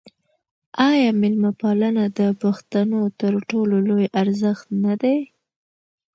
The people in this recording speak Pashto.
آیا میلمه پالنه د پښتنو تر ټولو لوی ارزښت نه دی؟